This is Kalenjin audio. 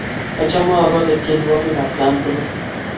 Achame akase tyenwogik atkan tukul